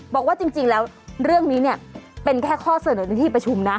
บอกว่าจริงแล้วเรื่องนี้เนี่ยเป็นแค่ข้อเสนอในที่ประชุมนะ